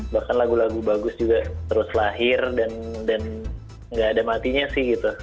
bahkan lagu lagu bagus juga terus lahir dan nggak ada matinya sih gitu